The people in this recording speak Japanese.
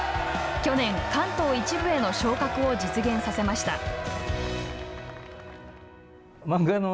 去年、関東１部への昇格を実現させました。